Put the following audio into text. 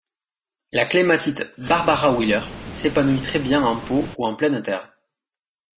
La clématite 'Barbara Wheeler' s'épanouit très bien en pot ou en pleine terre.